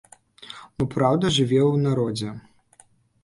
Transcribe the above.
Бо праўда жыве ў народзе.